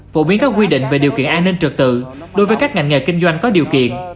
phổ biến các quy định về điều kiện an ninh trực tự đối với các ngành nghề kinh doanh có điều kiện